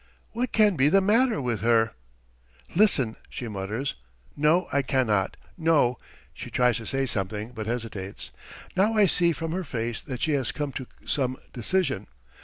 What can be the matter with her? "Listen!" she mutters. "No, I cannot! No! ..." She tries to say something, but hesitates. Now I see from her face that she has come to some decision.